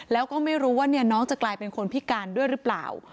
แล้วก็ไม่รู้ว่าน้องจะกลายเป็นคนพิการด้วยหรือเปล่า